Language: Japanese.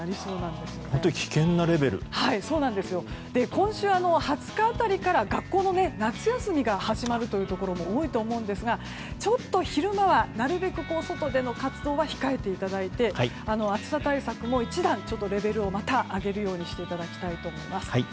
今週２０日辺りから学校も夏休みが始まるところが多いと思うんですが昼間はなるべく外での活動は控えていただいて、暑さ対策も一段、レベルを上げるようにしていただきたいと思います。